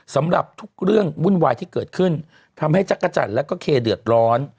สำหรับทุกเรื่องวุ่นวายที่เกิดขึ้นทำให้จักรจันทร์แล้วก็เคเดือดร้อน